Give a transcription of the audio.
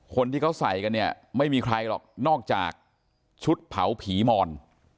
คนที่เขาใส่กันเนี่ยไม่มีใครหรอกนอกจากชุดเผาผีมอน